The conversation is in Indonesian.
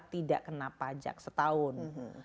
tidak kena pajak setahun